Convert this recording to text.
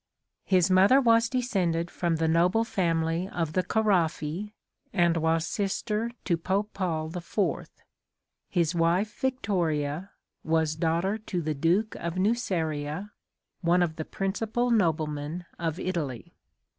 His mother was descended from the noble family of the Caraffi, and was sister to Pope Paul the Fourth. His wife, Victoria, was daughter to the Duke of Nuceria, one of the principal noblemen of Italy.